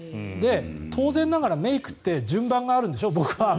当然ながらメイクって順番があるでしょ。